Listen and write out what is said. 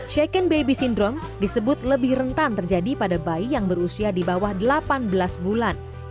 second baby syndrome disebut lebih rentan terjadi pada bayi yang berusia di bawah delapan belas bulan